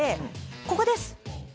ここです